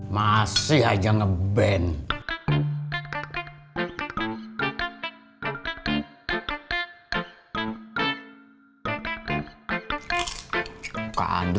masih aja nge ban